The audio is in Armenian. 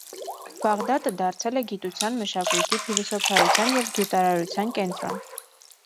Բաղդադը դարձել է գիտության, մշակույթի, փիլիսոփայության և գյուտարարության կենտրոն։